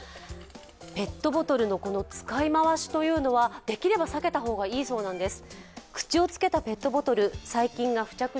ペットボトルの使い回しというのはできれば避けた方がいいそうなんです。